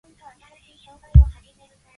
The roadway has remained a state highway since.